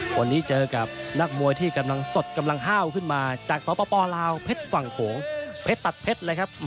วันนี้เจอกับนักมวยที่กำลังสดกำลังห้าวขึ้นมาจากสปลาวเพชรฝั่งโขงเพชรตัดเพชรเลยครับ